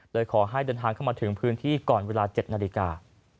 ขอให้เดินทางเข้ามาถึงพื้นที่ก่อนเวลา๗นาฬิกา